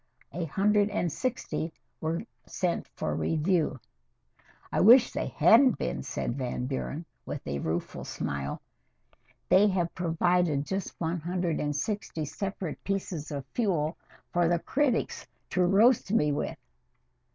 A hundred and sixty were sent for review." "I wish they hadn't been," said Van Buren, with a rueful smile. "They have provided just one hundred and sixty separate pieces of fuel for the critics to roast me with.